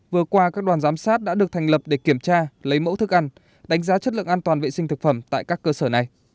vừa qua các đoàn giám sát đã được thành lập để kiểm tra lấy mẫu thức ăn đánh giá chất lượng an toàn vệ sinh thực phẩm tại các cơ sở này